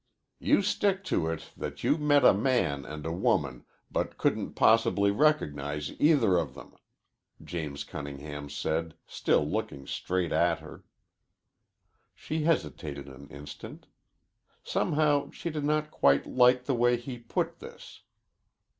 "You stick to it that you met a man and a woman, but couldn't possibly recognize either of them," James Cunningham said, still looking straight at her. She hesitated an instant. Somehow she did not quite like the way he put this.